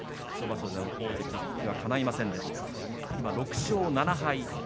１場所での大関復帰はかないませんでした。